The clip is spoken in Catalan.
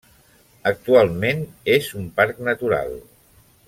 Actualment és un parc natural.